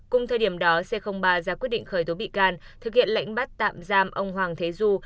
cùng thời điểm đó c ba ra quyết định khởi tố bị can thực hiện lệnh bắt tạm giam ông hoàng thế du